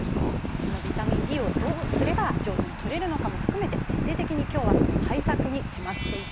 そのビタミンＤをどうすれば上手にとれるのかも含めて徹底的に今日はその対策に迫っていきます。